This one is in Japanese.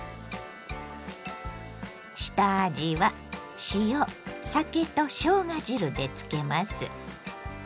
下味は塩酒としょうが汁でつけます。